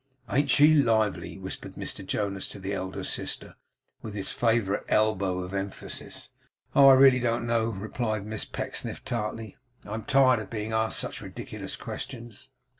'An't she lively?' whispered Mr Jonas to the elder sister, with his favourite elbow emphasis. 'Oh I really don't know!' replied Miss Pecksniff, tartly. 'I am tired of being asked such ridiculous questions.